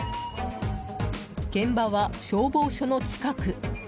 現場は消防署の近く。